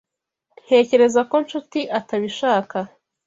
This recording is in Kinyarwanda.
Ntekereza ko Nshuti atabishaka.